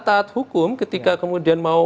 taat hukum ketika kemudian mau